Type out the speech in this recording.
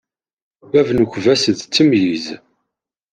Bab n ukembas d ttemyiz.